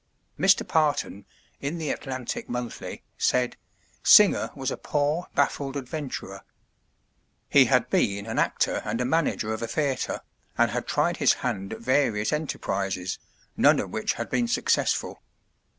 Mr. Parton, in the Atlantic Monthly, said: "Singer was a poor, baffled adventurer. He had been an actor and a manager of a theatre, and had tried his hand at various enterprises, none of which had been successful."